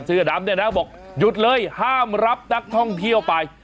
เสื้อดำเนี่ยนะบอกหยุดเลยห้ามรับนักท่องเที่ยวไป